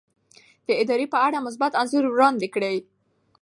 د ادارې په اړه مثبت انځور وړاندې کړئ.